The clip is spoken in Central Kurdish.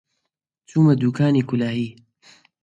چوومە دووکانی کولاهی